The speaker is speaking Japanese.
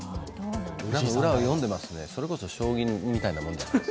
裏を読んでますね、それこそ将棋みたいなもので。